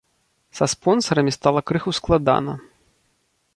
Са спонсарамі стала крыху складана.